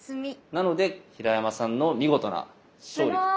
なので平山さんの見事な勝利と。